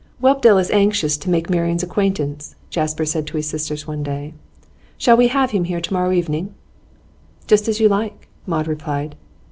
'Whelpdale is anxious to make Marian's acquaintance,' Jasper said to his sisters one day. 'Shall we have him here tomorrow evening?' 'Just as you like,' Maud replied.